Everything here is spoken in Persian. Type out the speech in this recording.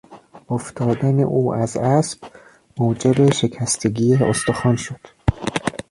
افتادن او از اسب موجب شکستگی استخوان شد.